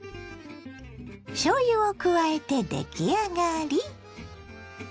しょうゆを加えて出来上がり。